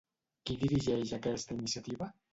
Qui dirigeix aquesta iniciativa?